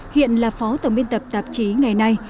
hiện là phó tổng biên tập tạp chí ngày nay